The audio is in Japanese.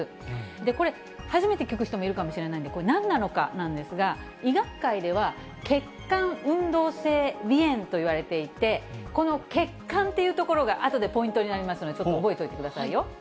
これ、初めて聞く人もいるかもしれないんで、これ、なんなのかなんですが、医学界では血管運動性鼻炎といわれていて、この血管というところがあとでポイントになりますので、ちょっと覚えておいてくださいよ。